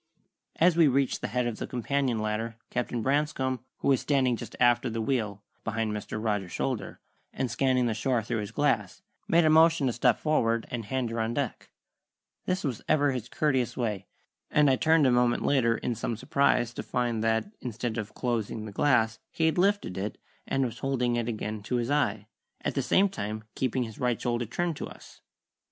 '" As we reached the head of the companion ladder Captain Branscome, who was standing just aft of the wheel, behind Mr. Rogers's shoulder, and scanning the shore through his glass, made a motion to step forward and hand her on deck. This was ever his courteous way, and I turned a moment later in some surprise, to find that, instead of closing the glass, he had lifted it, and was holding it again to his eye, at the same time keeping his right shoulder turned to us.